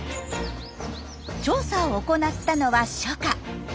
調査を行ったのは初夏。